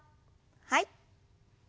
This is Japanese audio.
はい。